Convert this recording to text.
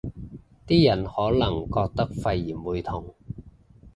啲人可能覺得肺炎會痛